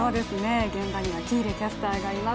現場には喜入キャスターがいます。